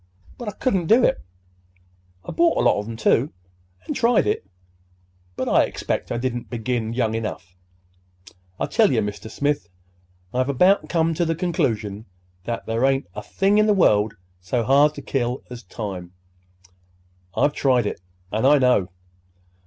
But I couldn't do it. I bought a lot of 'em, too, an' tried it; but I expect I didn't begin young enough. I tell ye, Mr. Smith, I've about come to the conclusion that there ain't a thing in the world so hard to kill as time. I've tried it, and I know.